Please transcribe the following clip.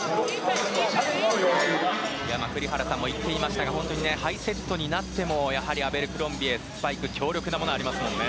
栗原さんも言っていましたが本当にハイセットになってもやはりアベルクロンビエスパイクは強力なものがありますね。